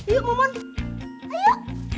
yuk mumun ayo